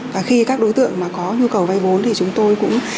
và khi các đối tượng mà có nhu cầu vay vốn thì chúng tôi cũng